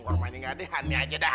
korma ini nggak ada hanya aja dah